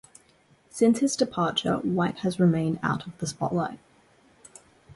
Since his departure, White has remained out of the spotlight.